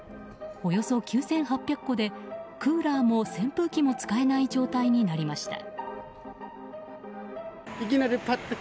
およそ９８００戸でクーラーも扇風機も使えない状態になりました。